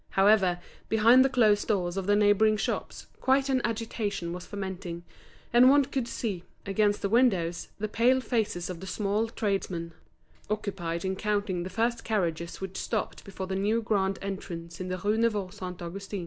However, behind the closed doors of the neighbouring shops, quite an agitation was fermenting; and one could see, against the windows, the pale faces of the small tradesmen, occupied in counting the first carriages which stopped before the new grand entrance in the Rue Neuve Saint Augustin.